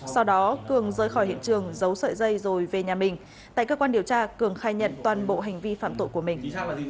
sau đó cường rời khỏi hiện trường giấu sợi dây rồi về nhà mình tại cơ quan điều tra cường khai nhận toàn bộ hành vi phạm tội của mình